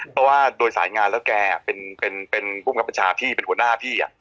เพราะว่าโดยสายงานแล้วแกเป็นภูมิกับประชาพี่เป็นหัวหน้าพี่